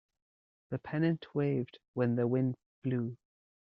The pennant waved when the wind blew.